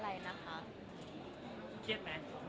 เครียดไหม